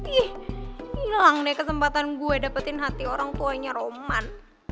ih hilang deh kesempatan gue dapetin hati orangtuanya roman